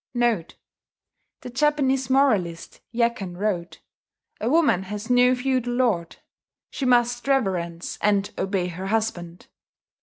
* [*The Japanese moralist Yekken wrote 'A woman has no feudal lord: she must reverence and obey her husband.'